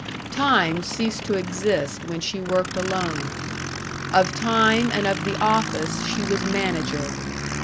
Time ceased to exist when she worked alone. Of time and of the office she was manager.